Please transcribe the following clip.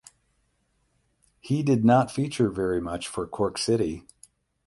He did not feature very much for Cork City.